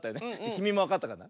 きみもわかったかな？